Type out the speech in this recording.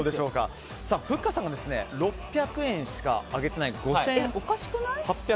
ふっかさんが６００円しか上げていないおかしくない？